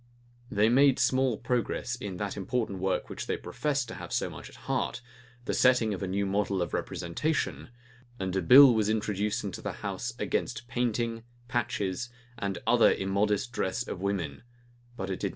[] They made small progress in that important work which they professed to have so much at heart, the settling of a new model of representation, and a bill was introduced into the house against painting, patches, and other immodest dress of women; but it did not pass.